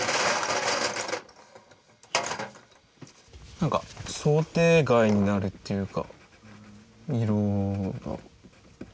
何か想定外になるっていうか色が。